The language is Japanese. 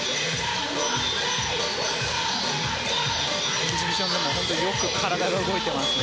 エキシビションでもよく体が動いてますね。